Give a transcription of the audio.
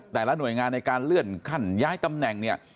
แต่ละหน่วยงานในการเลื่อนขั้นย้ายตำแหน่งเนี่ย